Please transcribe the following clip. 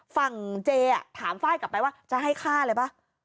ฝั่งเจถามไฟล์กลับไปว่าจะให้ฆ่าเลยป่ะ